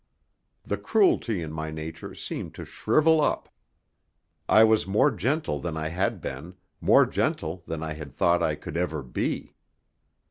The cruelty in my nature seemed to shrivel up. I was more gentle than I had been, more gentle than I had thought I could ever be.